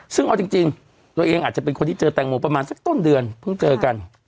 ซึ่งเอาจริงตัวเองอาจจะเป็นคนที่เจอแตงโมประมาณสักต้นเดือนเพิ่งเจอกัน